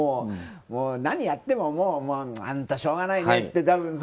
何やってもあんた、しょうがないねって。